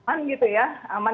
aman dari kegiatan